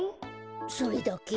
それだけ？